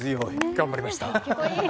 頑張りました。